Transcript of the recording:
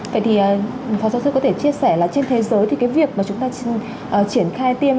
vậy thì phó giáo sư có thể chia sẻ là trên thế giới thì cái việc mà chúng ta triển khai tiêm